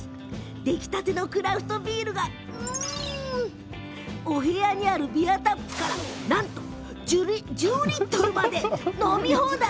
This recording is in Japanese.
出来たてのクラフトビールが部屋にあるビアタップからなんと、１０リットルまで飲み放題。